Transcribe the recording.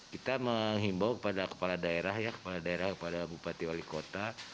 kita menghimbau kepada kepala daerah kepada bupati wali kota